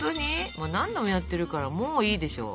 もう何度もやってるからもういいでしょう。